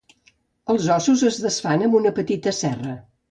Els ossos es desfan amb una petita serra.